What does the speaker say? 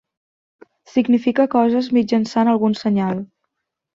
Significa coses mitjançant algun senyal.